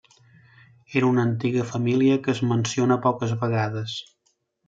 Era una antiga família que es menciona poques vegades.